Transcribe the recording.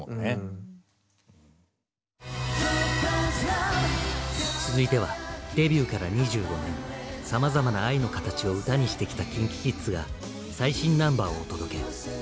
「ＴｏｐａｚＬｏｖｅ」続いてはデビューから２５年さまざまな愛の形を歌にしてきたＫｉｎＫｉＫｉｄｓが最新ナンバーをお届け。